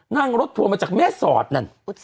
นั่งรถทัวร์มาจากแม่สอดนั่น